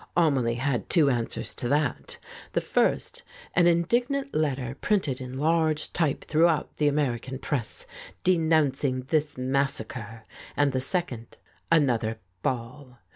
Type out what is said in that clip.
Amelie had two answers to that — the first an in dignant letter, printed in large type throughout the American press, denouncing this massacre, and the second another ball.